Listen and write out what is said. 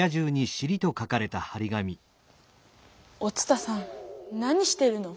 お伝さん何してるの？